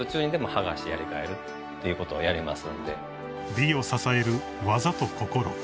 ［美を支える技と心］